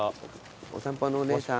お散歩のお姉さん。